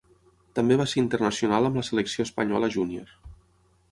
També va ser internacional amb la selecció espanyola júnior.